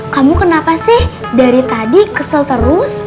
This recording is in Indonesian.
kamu kenapa sih dari tadi kesel terus